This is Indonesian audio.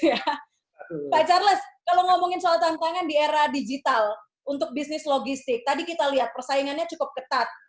ya pak charles kalau ngomongin soal tantangan di era digital untuk bisnis logistik tadi kita lihat persaingannya cukup ketat